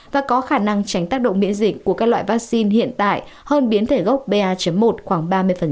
và có khả năng tránh tác động miễn dịch của các loại vaccine hiện tại hơn biến thể gốc ba một khoảng ba mươi